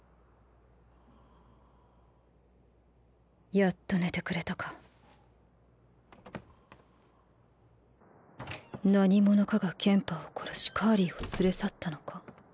・やっと寝てくれたか何者かがケンパーを殺しカーリーを連れ去ったのか？